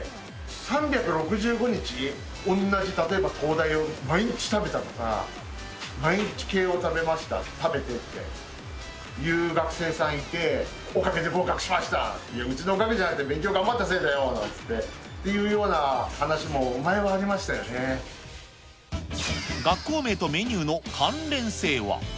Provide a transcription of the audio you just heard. ３６５日、おんなじ、例えば東大を毎日食べたとか、毎日、慶応を食べました、食べてっていう学生さんいて、おかげで合格しましたって、いや、うちのおかげじゃなくて勉強頑張ったせいだよっていうような話も学校名とメニューの関連性は。